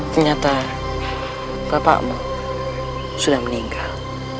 ternyata bapakmu sudah meninggal